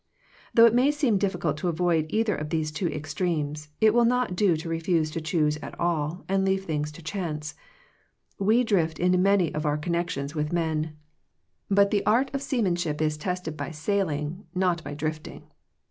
Though it may seem difficult to avoid either of these two extremes, it will not do to refuse to choose at all, and leave things to chance. We drift into many of our connections with men, but the art 93 Digitized by VjOOQIC THE CHOICE OF FRIENDSHIP of seamanship is tested by sailing not by drifting.